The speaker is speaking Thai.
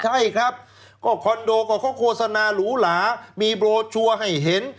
ใช่ครับก็คอนโดก็เขาโฆษณาหรูหลามีโบรชัวร์ให้เห็น